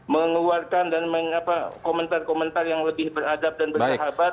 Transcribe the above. mengeluarkan dan mengapa komentar komentar yang lebih beradab dan bersahabat